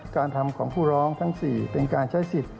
การทำของผู้ร้องทั้ง๔เป็นการใช้สิทธิ์